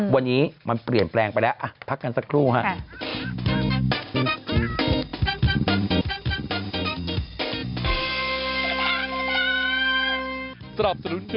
วันนี้มันเปลี่ยนแปลงไปแล้วพักกันสักครู่ครับ